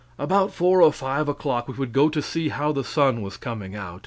About 4 or 5 o'clock we would go to see how the sun was coming out.